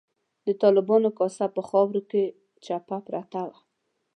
د طالبانو کاسه په خاورو کې چپه پرته وه.